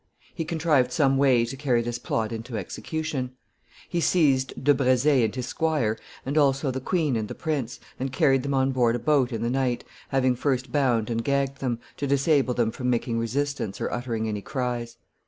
He contrived some way to carry this plot into execution. He seized de Brezé and his squire, and also the queen and the prince, and carried them on board a boat in the night, having first bound and gagged them, to disable them from making resistance or uttering any cries.